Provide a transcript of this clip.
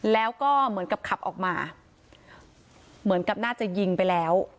แล้วก็เหมือนกับขับออกมาเหมือนกับน่าจะยิงไปแล้ว